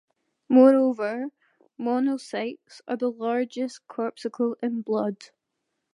Moreover, monocytes are the largest corpuscle in blood.